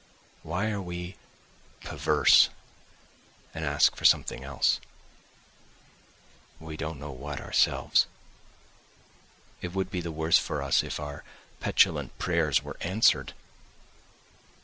Why are we perverse and ask for something else? We don't know what ourselves. It would be the worse for us if our petulant prayers were answered.